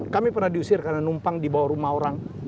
kami pernah diusir karena numpang di bawah rumah orang